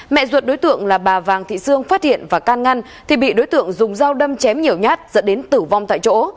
mẹ ruột đối tượng là bà vàng thị sương phát hiện và can ngăn thì bị đối tượng dùng dao đâm chém nhiều nhát dẫn đến tử vong tại chỗ